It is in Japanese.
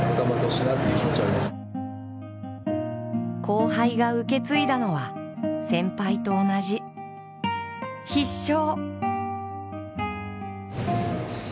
後輩が受け継いだのは先輩と同じ「必笑」。